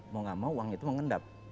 mau gak mau uang itu mengendap